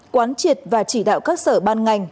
quán triệt và chỉ đạo các sở ban ngành